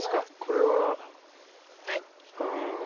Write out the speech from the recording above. これはうん。